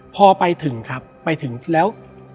พอไปถึงครับไปถึงแล้ว